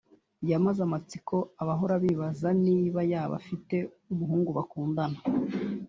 yamaze amatsiko abahora bibaza niba yaba afite umuhungu bakundana